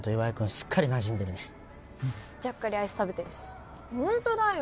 すっかりなじんでるねちゃっかりアイス食べてるしホントだよ